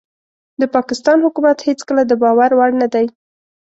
د پاکستان حکومت هيڅکله دباور وړ نه دي